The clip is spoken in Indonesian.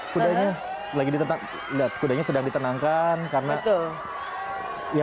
luar biasa guys yaya